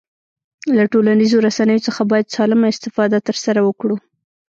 له ټولنیزو رسنیو څخه باید سالمه استفاده ترسره وکړو